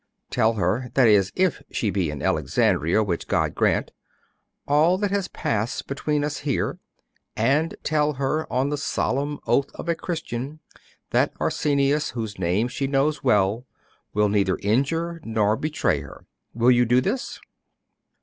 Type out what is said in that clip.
Tell her that is, if she be in Alexandria, which God grant all that has passed between us here, and tell her, on the solemn oath of a Christian, that Arsenius, whose name she knows well, will neither injure nor betray her. Will you do this?